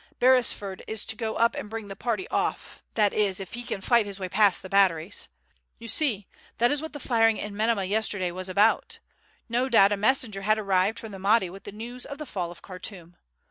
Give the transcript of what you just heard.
Beresford is to go up and bring the party off, that is, if he can fight his way past the batteries. You see, that is what the firing in Metemmeh yesterday was about. No doubt a messenger had arrived from the Mahdi with the news of the fall of Khartoum.